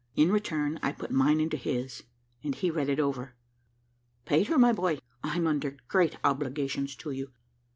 In return I put mine into his, and he read it over. "Peter, my boy, I'm under great obligations to you.